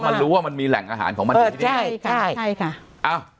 มันรู้ว่ามันมีแหล่งอาหารของมันอยู่ที่นี่ใช่ค่ะใช่ค่ะอ้าว